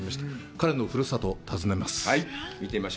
彼のふるさとを訪ねます。